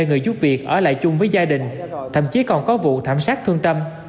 người giúp việc ở lại chung với gia đình thậm chí còn có vụ thảm sát thương tâm